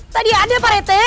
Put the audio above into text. tadi ada pak rete